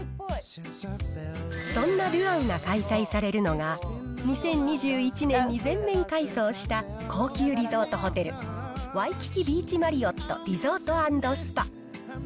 そんなルアウが開催されるのが、２０２１年に全面改装した高級リゾートホテル、ワイキキビーチマリオットリゾート＆スパ。